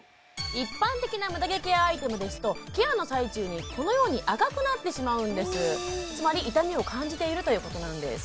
一般的なムダ毛ケアアイテムですとケアの最中にこのように赤くなってしまうんですつまり痛みを感じているということなんです